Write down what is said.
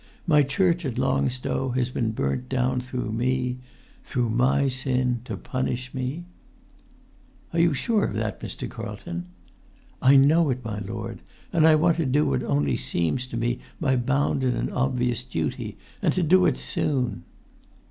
My church at Long Stow has been burnt down through me—through my sin—to punish me——" "Are you sure of that, Mr. Carlton?" "I know it, my lord. And I want to do what only seems to me my bounden and my obvious duty, and to do it soon."